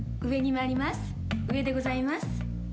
上でございます。